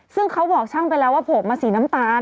ซึ่งเขาบอกช่างไปแล้วว่าผมมาสีน้ำตาล